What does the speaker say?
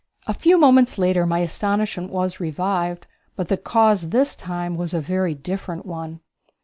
A few moments later my astonishment was revived, but the cause this time was a very different one.